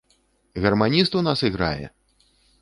Гарманіст у нас іграе!